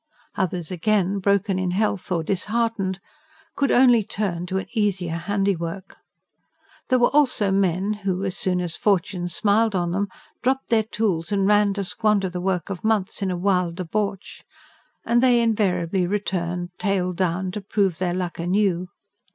Others again, broken in health or disheartened, could only turn to an easier handiwork. There were also men who, as soon as fortune smiled on them, dropped their tools and ran to squander the work of months in a wild debauch; and they invariably returned, tail down, to prove their luck anew.